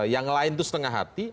yang lain itu setengah hati